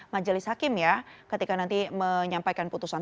majelis hakim ya ketika nanti menyampaikan putusan